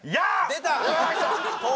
出た！